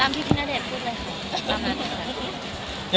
ตามที่พี่ณเดชน์พูดเลย